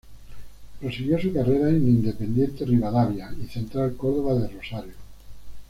Prosiguió su carrera en Independiente Rivadavia y Central Córdoba de Rosario.